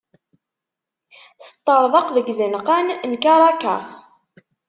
Teṭṭerḍeq deg izenqan n Karakas.